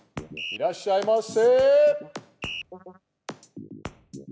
いらっしゃいませ！